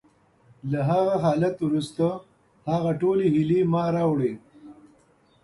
له هغه حالت وروسته، هغه ټولې هیلې ما راوړې